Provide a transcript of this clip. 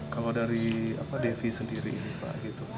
kalau dari devi sendiri pak